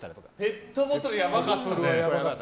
ペットボトル、やばかったね。